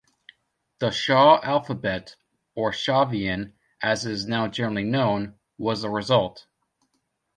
The "Shaw Alphabet" or "Shavian", as it is now generally known, was the result.